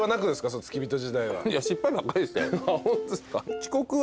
その付き人時代は。